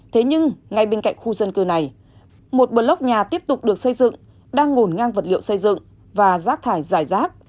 thế nhưng ngay bên cạnh khu dân cư này một bờ lốc nhà tiếp tục được xây dựng đang ngổn ngang vật liệu xây dựng và rác thải dài rác